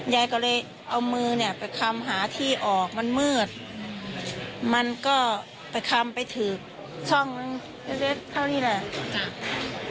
ยายก็เลยเอามือเนี่ยไปคำหาที่ออกมันมืดมันก็ไปคำไปถือช่องเล็กเท่านี้แหละ